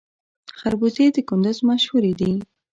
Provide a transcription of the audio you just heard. خربوزې د کندز مشهورې دي